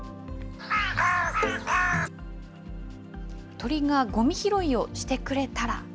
鳥がごみ拾いをしてくれたら。